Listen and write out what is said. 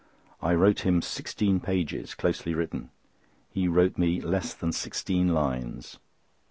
I wrote him sixteen pages, closely written; he wrote me less than sixteen lines.